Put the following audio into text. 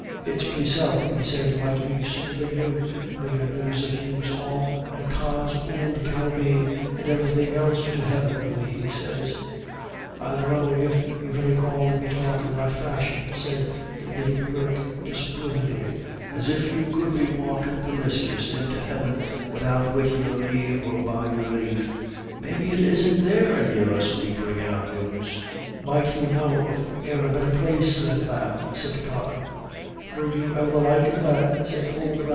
It's meself," he said, "might be sooner than you bringin' news of yous all, and Con's ould caubeen, and everythin' else to Heaven the way he sez." "I dunno if you've any call to be talkin' that fashion," said the Widdy M'Gurk, disapprovingly, "as if you could be walkin' permisc yis into Heaven widout wid your lave or by your lave. Maybe it isn't there any of us'ill be bringin' our news." "Might you know of e'er a better place then, ma'am?" said Con.